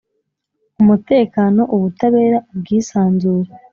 Umutekano, ubutabera, ubwisanzure,